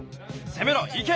せめろいけ！